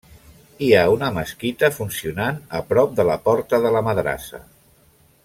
Hi ha una mesquita funcionant a prop de la porta de la madrassa.